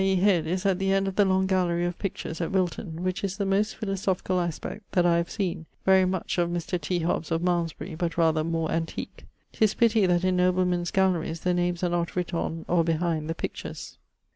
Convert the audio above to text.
e. head, is at the end of the Long Gallery of Pictures at Wilton[LXXXIX.], which is the most philosophicall aspect that I have seen, very much of Mr. T. Hobbes of Malmesbury, but rather more antique. 'Tis pitty that in noblemen's galleries, the names are not writt on, or behind, the pictures.